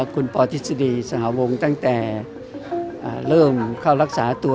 คุณปธิษฎีสหวงตั้งแต่เริ่มเข้ารักษาตัว